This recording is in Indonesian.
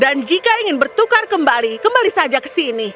dan jika ingin bertukar kembali kembali saja ke sini